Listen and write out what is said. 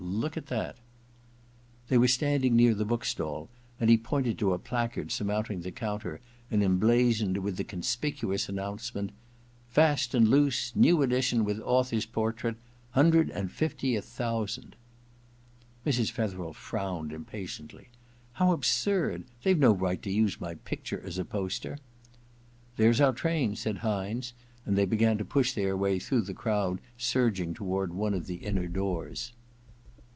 Look at that !' They were standing near the book stall and he pointed to a placard surmounting the counter and emblazoned with the conspicuous announce ment :* Fast and Loose. New Edition with Author's Portrait. Hundred and Fiftieth Thousand.' IV EXPIATION 107 Mrs. Fethcrel frowned impatiently. *How absurd ! They Ve no right to use my picture as a poster !'* There's our train/ said Hynes ; and they began to push their way through the crowd surging toward one of the inner doors.